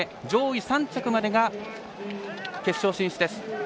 上位３着までが決勝進出です。